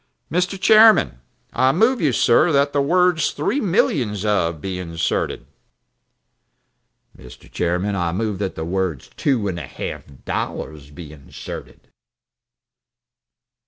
Buckstone "Mr. Chairman, I move you, sir, that the words 'three millions of' be inserted." Mr. Hadley "Mr. Chairman, I move that the words two and a half dollars be inserted."